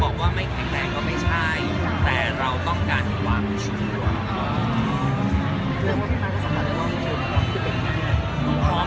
บอกว่าไม่แข็งแรงก็ไม่ใช่แต่เราต้องการให้วางใจอยู่ดังนั้น